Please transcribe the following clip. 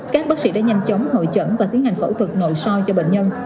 các bác sĩ đã nhanh chóng hội chẩn và tiến hành phẫu thuật nội soi cho bệnh nhân